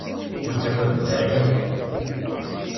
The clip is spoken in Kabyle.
Ur ttaggadent ara akk.